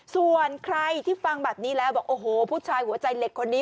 ส่วนใครที่ฟังแบบนี้แล้วบอกโอ้โหผู้ชายหัวใจเหล็กคนนี้